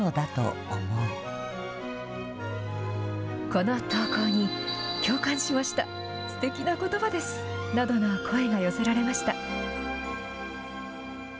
この投稿に、共感しました、すてきなことばです、などの声が寄せられました。